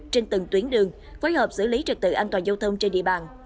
trên từng tuyến đường phối hợp xử lý trực tự an toàn giao thông trên địa bàn